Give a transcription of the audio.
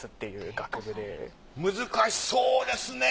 難しそうですね。